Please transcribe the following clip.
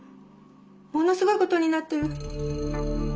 ものすごいことになってる。